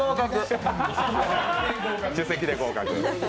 首席で合格。